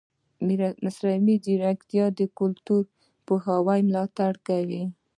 مصنوعي ځیرکتیا د کلتوري پوهاوي ملاتړ کوي.